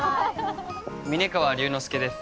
峯川龍之介です